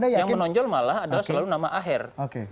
yang menonjol malah adalah selalu nama aher